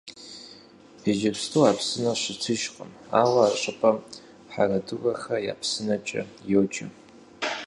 Иджыпсту а псынэр щытыжкъым, ауэ а щӀыпӀэм «Хьэрэдурэхэ я псынэкӀэ» йоджэ.